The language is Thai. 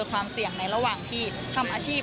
ความเสี่ยงในระหว่างที่ทำอาชีพ